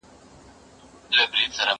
زه بايد کتابونه وليکم!.!.